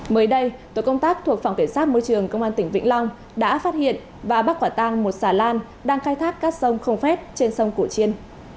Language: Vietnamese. mới đây tổ công tác thuộc phòng kiểm soát môi trường công an tỉnh vĩnh long đã phát hiện và bắt quả tăng một xà lan đang khai thác các sông không phép trên sông cổ chiên